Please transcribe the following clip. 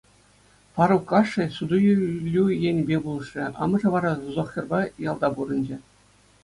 Фарук ашшӗ суту-илӳ енӗпе пулӑшрӗ, амӑшӗ ватӑ Зохерпа ялта пурӑнчӗ.